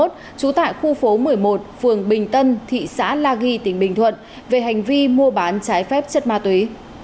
trú tại khu phố một mươi một phường bình tân thị xã la ghi tỉnh bình thuận về hành vi mua bán trái phép chất ma túy